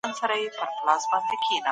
هیڅوک باید د خپلي ژبي په خاطر سپک نه سي.